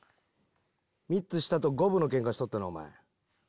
３つ下と５分のケンカしとったなおまえ。